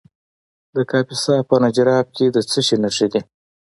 د کاپیسا په نجراب کې د څه شي نښې دي؟